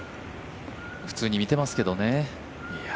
普通に見てますけどね。